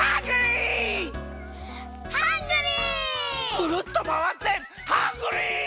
くるっとまわってハングリー！